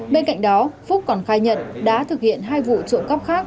bên cạnh đó phúc còn khai nhận đã thực hiện hai vụ trộm cắp khác